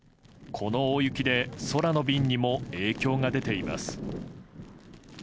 この大雪で空の便にも影響が出ています。